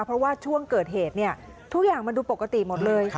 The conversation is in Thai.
เพราะว่าช่วงเกิดเหตุเนี่ยทุกอย่างมันดูปกติหมดเลย